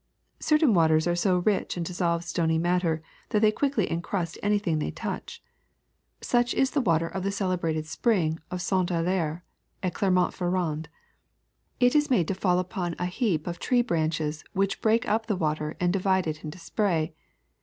*^ Certain waters are so rich in dissolved stony mat ter that they quickly encrust anything they touch. M4^ THE SECRET OF EVERYDAY THINGS Such is the water of the celebrated spring of Saint Allyre at Clermont Ferrand. It is made to fall upon a heap of tree branches which break up the water and divide it into spray.